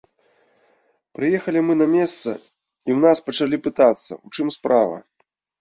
Прыехалі мы на месца, і ў нас пачалі пытацца, у чым справа.